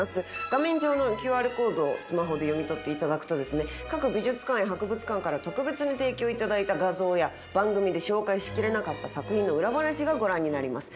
画面上のＱＲコードをスマホで読み取って頂くと各美術館や博物館から特別に提供頂いた画像や番組で紹介しきれなかった作品の裏話がご覧になれます。